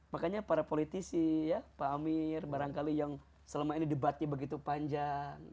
makanya para politisi ya pak amir barangkali yang selama ini debatnya begitu panjang